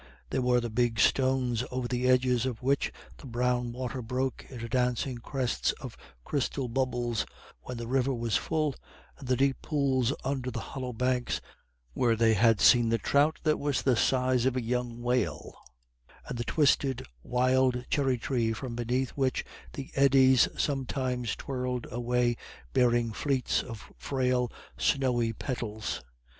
There were the big stones over the edges of which the brown water broke into dancing crests of crystal bubbles when the river was full, and the deep pools under the hollow banks where they had seen the trout that was the size of a young whale, and the twisted wild cherry tree from beneath which the eddies sometimes twirled away bearing fleets of frail, snowy petals.